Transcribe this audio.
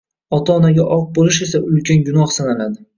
ota-onaga oq bo‘lish esa ulkan gunoh sanaladi.